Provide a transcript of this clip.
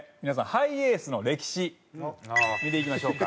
ハイエースの歴史見ていきましょうか。